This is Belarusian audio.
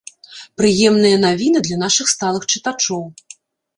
Прыемныя навіны для нашых сталых чытачоў!